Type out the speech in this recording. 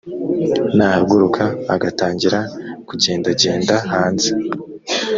nahaguruka agatangira kugendagenda hanze